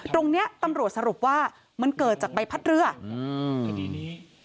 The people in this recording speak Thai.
ตรงนี้ตำรวจสรุปว่ามันเกิดจากใบพัดเรือคดีนี้